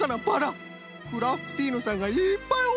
クラフティーヌさんがいっぱいおるみたい！